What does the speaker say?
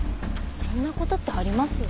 そんな事ってあります？